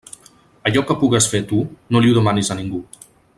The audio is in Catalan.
Allò que pugues fer tu no li ho demanes a ningú.